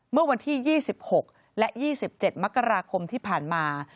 เมื่อวันที่๒๖และ๒๗มกราคมที่ผ่านมา